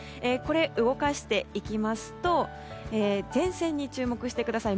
動かしていきますと前線に注目してください。